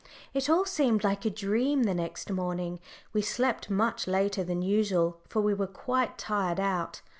It all seemed like a dream the next morning. We slept much later than usual, for we were quite tired out.